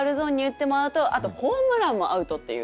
あとホームランもアウトっていう。